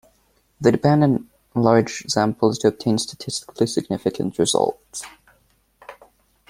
They depend on large samples to obtain statistically significant results.